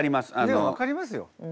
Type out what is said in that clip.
いや分かりますよ。